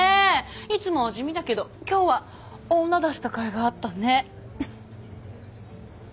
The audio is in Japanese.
いつもは地味だけど今日は女出したかいがあったね！